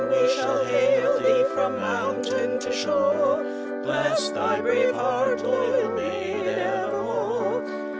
_ Then we shall hail thee from moun tain to shore, Bless thy brave heart, loyal maid, ev er more!